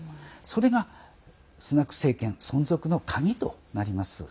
それが、スナク政権存続の鍵となります。